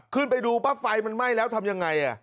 ขึ้นไปดูปั๊บไฟมันไหม้แล้วทำยังไง